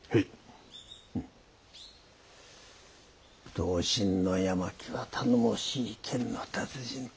「同心の八巻は頼もしい剣の達人」と。